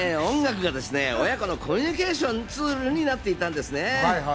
音楽がですね、親子のコミュニケーションツールになっていたんですね。